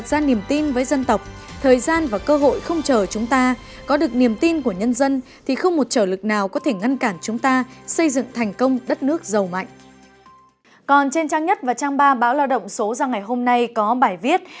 còn trên trang nhất và trang ba báo lao động số ra ngày hôm nay có bài viết